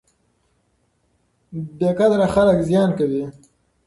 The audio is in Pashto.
بې قدره خلک زیان کوي.